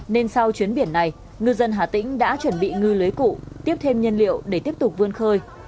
nên sau chuyến biển này ngư dân hà tĩnh đã chuẩn bị ngư lưới cụ tiếp thêm nhân liệu để tiếp tục vươn khơi